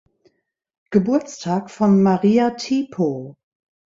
Geburtstag von Maria Tipo.